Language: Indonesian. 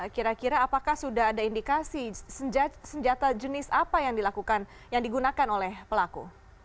kira kira apakah sudah ada indikasi senjata jenis apa yang dilakukan yang digunakan oleh pelaku